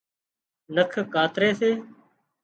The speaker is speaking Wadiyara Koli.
نک ڪاتري سي